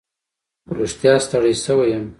خو رښتیا ستړی شوی یم.